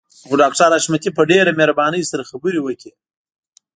خو ډاکټر حشمتي په ډېره مهربانۍ سره خبرې وکړې.